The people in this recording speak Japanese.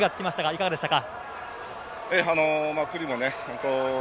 いかがでしたか？